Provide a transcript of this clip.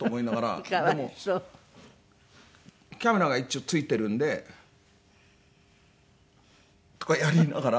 でもカメラが一応付いてるんで。とかやりながら。